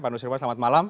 pak nusirwan selamat malam